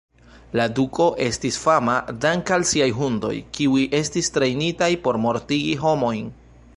La duko estis fama dank'al siaj hundoj, kiuj estis trejnitaj por mortigi homojn.